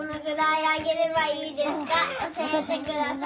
教えてください。